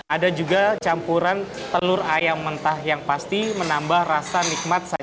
ada juga campuran telur ayam mentah yang pasti menambah rasa nikmat sate